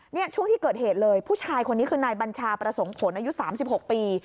นี่ช่วงที่เกิดเหตุเลยผู้ชายคนนี้คือนายบัญชาประสงค์ผลอายุ๓๖ปี